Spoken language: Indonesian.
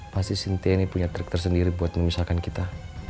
pasti sintia ini punya trik tersendiri buat memisahkan kita